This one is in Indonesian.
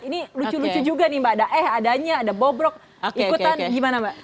ini lucu lucu juga nih mbak ada eh adanya ada bobrok ikutan gimana mbak